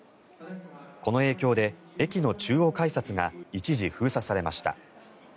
この影響で駅の中央改札が一時、封鎖されました。